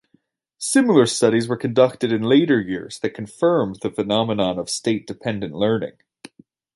Similar studies were conducted in later years that confirmed the phenomenon of state-dependent learning.